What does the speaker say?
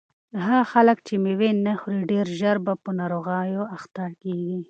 هغه خلک چې مېوې نه خوري ډېر ژر په ناروغیو اخته کیږي.